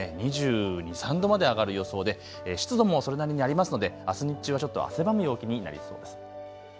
２２、２３度まで上がる予想で湿度もそれなりにありますのであす日中、ちょっと汗ばむ陽気になりそうです。